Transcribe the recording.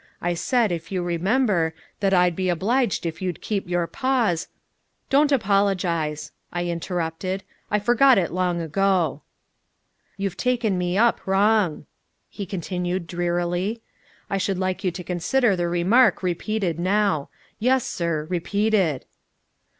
I said, if you remember, that I'd be obliged if you'd keep your paws " "Don't apologize," I interrupted. "I forgot it long ago." "You've taken me up wrong," he continued drearily. "I should like you to consider the remark repeated now. Yes, sir, repeated."